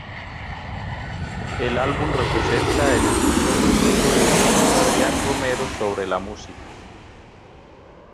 El álbum representa el estilo único de Jesús Adrián Romero sobre la música.